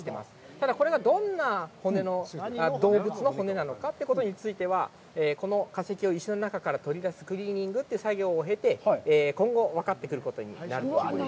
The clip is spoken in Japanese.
ただ、これがどんな骨の、どんな動物の骨なのかということについては、この化石を石の中から取り出すクリーニングという作業を経て、今後分かってくることになると思います。